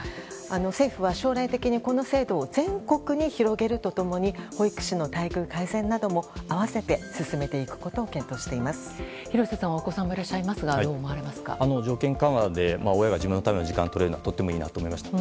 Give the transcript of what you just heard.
政府は将来的にこの制度を全国に広げると共に保育士の待遇改善なども併せて進めていくことを廣瀬さんはお子さんがいらっしゃいますが条件緩和で親が自分のための時間をとれるのはとてもいいなと思いました。